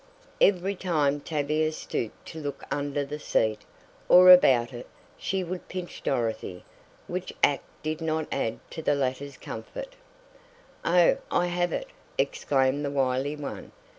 Every time Tavia stooped to look under the seat, or about it, she would pinch Dorothy, which act did not add to the latter's comfort. "Oh, I have it," exclaimed the wily one.